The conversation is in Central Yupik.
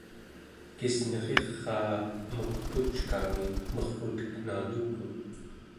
kisneriraa meq puckami mer'uteknaluku